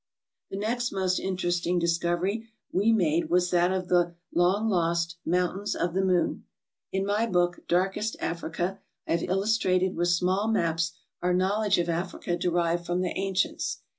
The next most interesting discovery we made was that of the long lost Mountains of the Moon. In my book, " Darkest Africa, " I have illustrated with small maps our knowledge of Africa derived from the ancients.